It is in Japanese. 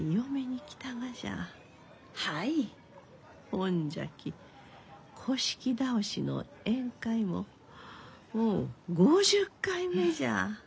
ほんじゃき倒しの宴会ももう５０回目じゃ。